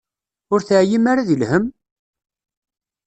Ur teɛyim ara di lhemm?